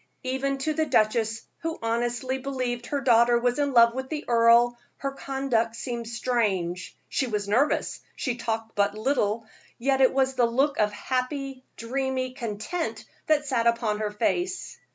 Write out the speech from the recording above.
Even to the duchess, who honestly believed her daughter was in love with the earl, her conduct seemed strange. She was nervous, she talked but little, yet it was the look of happy, dreamy content that sat on her face.